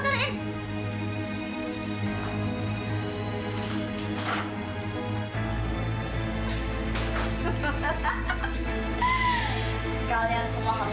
kalian semua harus tunduk selama